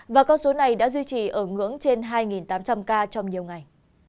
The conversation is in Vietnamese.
và con số này đã duy trì ở ngưỡng trên hai tám trăm linh ca trong nhiều ngày